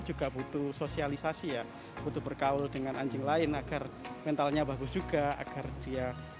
juga butuh sosialisasi ya butuh berkaul dengan anjing lain agar mentalnya bagus juga agar dia